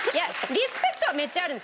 リスペクトはめっちゃあるんだけど。